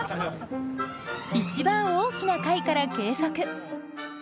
一番大きな貝から計測。